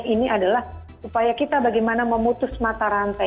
ini adalah upaya kita bagaimana memutus mata rantai